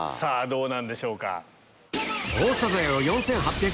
どうなんでしょうか。